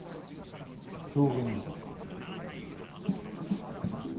狂言自殺か。